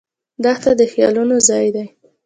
دښته د خیالونو ځای دی.